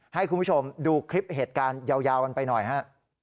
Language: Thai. ให้คุณผู้ชมดูคลิปเหตุการณ์ยาวกันไปหน่อยฮะ